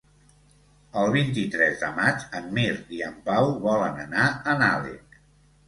El vint-i-tres de maig en Mirt i en Pau volen anar a Nalec.